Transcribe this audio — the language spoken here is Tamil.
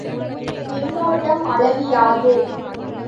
மின்னோட்ட அலகு யாது?